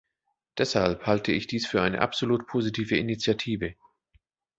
Deshalb halte ich dies für eine absolut positive Initiative.